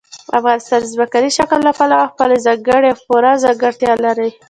افغانستان د ځمکني شکل له پلوه خپله ځانګړې او پوره ځانګړتیا لري.